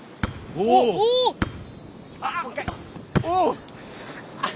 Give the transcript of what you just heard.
おっ。